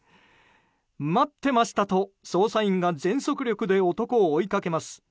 待ってましたと、捜査員が全速力で男を追いかけます。